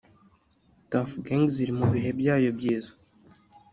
“Tuff Gangs iri mu bihe byayo byiza